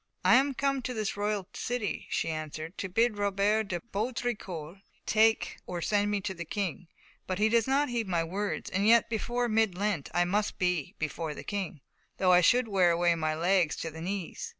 "I am come to this royal city," she answered, "to bid Robert de Baudricourt take or send me to the King, but he does not heed my words; and yet before mid Lent I must be before the King, though I should wear away my legs to the knees.